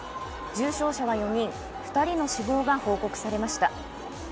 重症者は４人、２人の死亡が報告されました。